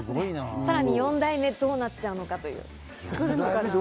さらに４代目どうなっちゃうのかという。